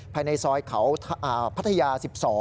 ภายในซอยเขาพัทยา๑๒